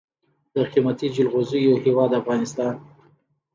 د قیمتي جلغوزیو هیواد افغانستان.